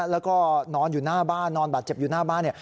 แล้วก็นอนอยู่หน้าบ้านนอนบาดเจ็บอยู่หน้าบ้าน